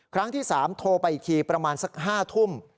ครั้งที่๓โทรไปอีกทีประมาณสัก๕ทุ่ม